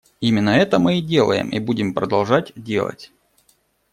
Именно это мы и делаем и будем продолжать делать.